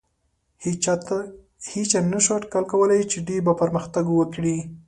هېچا نهشو اټکل کولی، چې دوی به پرمختګ وکړي.